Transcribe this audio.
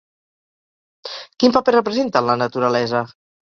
Quin paper representa en la naturalesa?